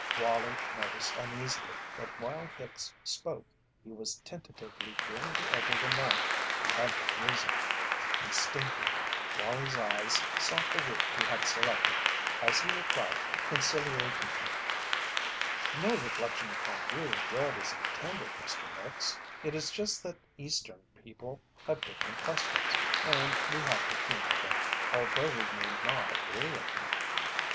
Wallie noticed uneasily that while Hicks spoke he was tentatively feeling the edge of the knife he had been using. Instinctively Wallie's eyes sought the route he had selected, as he replied conciliatingly: "No reflection upon you and Red is intended, Mr. Hicks; it is just that Eastern people have different customs, and we have to humour them, although we may not agree with them."